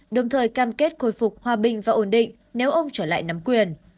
đồng thời cam kết khôi phục hòa bình và ổn định nếu ông trở lại nắm quyền